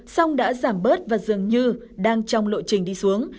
song đã giảm bớt và dường như đang trong lộ trình đi xuống